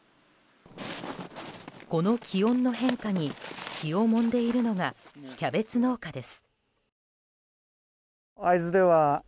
この気温の変化に気をもんでいるのがキャベツ農家です。